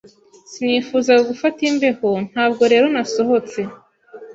Sinifuzaga gufata imbeho, ntabwo rero nasohotse.